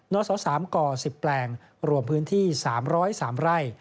ศ๓ก๑๐แปลงรวมพื้นที่๓๐๓ไร่